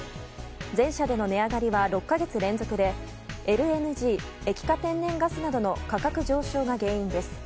全社での値上がりは６か月連続でＬＮＧ・液化天然ガスなどの価格上昇が原因です。